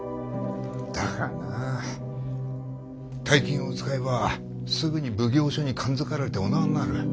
だがな大金を使えばすぐに奉行所に感づかれてお縄になる。